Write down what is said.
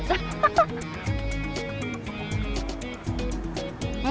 enak ya enak banget